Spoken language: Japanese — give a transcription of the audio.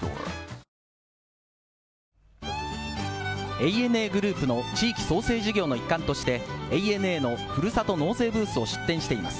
ＡＮＡグループの地域創生事業の一環として、ＡＮＡのふるさと納税ブースを出展しています。